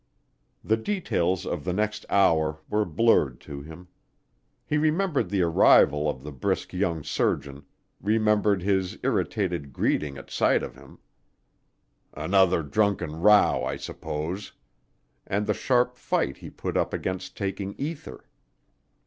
The details of the next hour were blurred to him. He remembered the arrival of the brisk young surgeon, remembered his irritated greeting at sight of him "Another drunken row, I suppose" and the sharp fight he put up against taking ether.